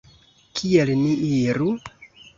Kiel ni iru?